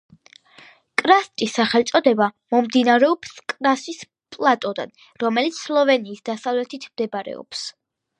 კარსტი სახელწოდება მომდინარეობს კრასის პლატოდან, რომელიც სლოვენიის დასავლეთით მდებარეობს.